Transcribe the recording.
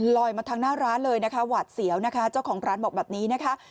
มาทางหน้าร้านเลยนะคะหวาดเสียวนะคะเจ้าของร้านบอกแบบนี้นะคะ